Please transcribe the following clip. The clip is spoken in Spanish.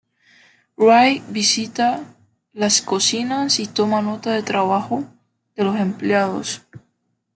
Ray visita las cocinas y toma nota de trabajo de los empleados.